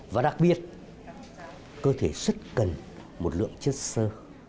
và đặc biệt cơ thể rất cần một lượng chất sơ